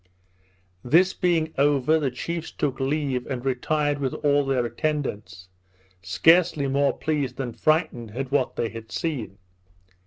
This being over, the chiefs took leave, and retired with all their attendants, scarcely more pleased than frightened at what they had seen.